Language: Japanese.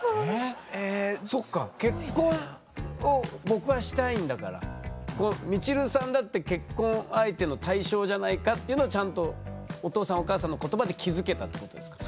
そっか「結婚を僕はしたいんだからみちるさんだって結婚相手の対象じゃないか」っていうのはちゃんとお父さんお母さんの言葉で気付けたってことですか？